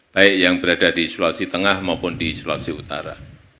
baik yang berada di sulawesi tengah maupun di sulawesi utara